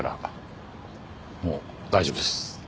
もう大丈夫です。